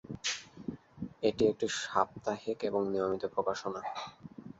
এটি একটি সাপ্তাহিক এবং নিয়মিত প্রকাশনা।